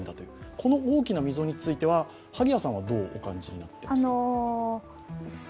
この大きな溝については萩谷さんはどうお感じになってますか？